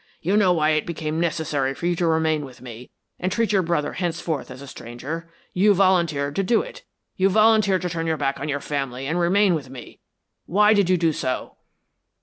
You know why it became necessary for you to remain with me and treat your brother henceforth as a stranger. You volunteered to do it, you volunteered to turn your back on your family and remain with me. Why did you do so?"